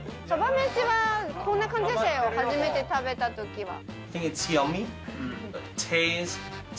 めしは、こんな感じでしたよ、初めて食べたときは。